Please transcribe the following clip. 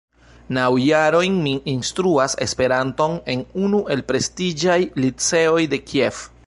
Naŭ jarojn mi instruas Esperanton en unu el prestiĝaj liceoj de Kiev.